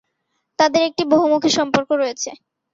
তাদের একটি বহুমুখী সম্পর্ক রয়েছে।